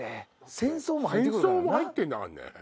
戦争も入ってんだからね。